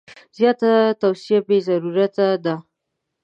زیاته توصیه بې ضرورته ده.